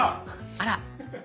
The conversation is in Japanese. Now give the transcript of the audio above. あら！